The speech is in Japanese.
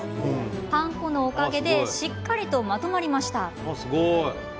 パン粉のおかげでしっかりとまとまりました。